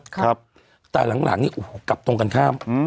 ครับแต่หลังหลังนี่โอ้โหกลับตรงกันข้ามอืม